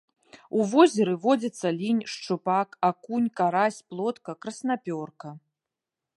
У возеры водзяцца лінь, шчупак, акунь, карась, плотка, краснапёрка.